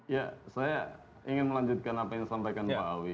ya saya ingin melanjutkan apa yang disampaikan pak awi